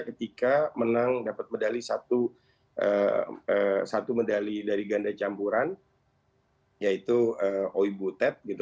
ketika menang dapat medali satu medali dari ganda campuran yaitu owi butet gitu